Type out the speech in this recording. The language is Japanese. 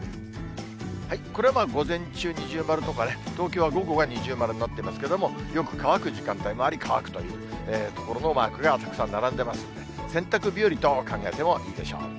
これは午前中、二重丸とかね、東京は午後が二重丸になってますけれども、よく乾く時間帯もあり、乾くという所のマークがたくさん並んでますので、洗濯日和と考えてもいいでしょう。